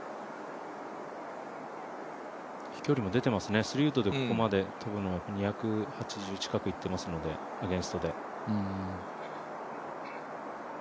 飛距離も出てますね、３ウッドでここまで飛ぶのは２８０近くいってますのでアゲンストで。